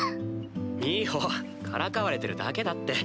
美穂からかわれてるだけだって。